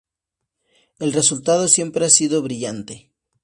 El resultado siempre ha sido brillante.